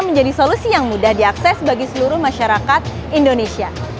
menjadi solusi yang mudah diakses bagi seluruh masyarakat indonesia